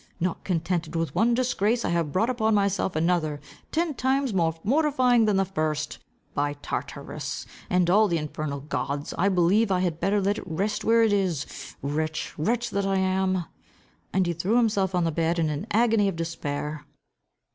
Not contented with one disgrace, I have brought upon myself another, ten times more mortifying than the first. By Tartarus, and all the infernal gods, I believe I had better let it rest where it is! Wretch, wretch, that I am!" And he threw himself on the bed in an agony of despair.